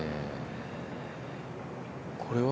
これは？